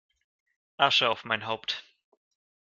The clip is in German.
Asche auf mein Haupt!